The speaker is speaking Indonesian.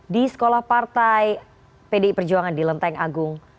di sekolah partai pdi perjuangan di lenteng agung